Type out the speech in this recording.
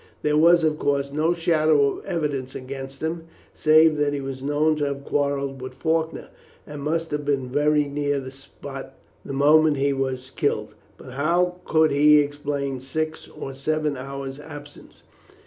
There was, of course, no shadow of evidence against him save that he was known to have quarrelled with Faulkner, and must have been very near the spot the moment he was killed, but how could he explain six or seven hours' absence?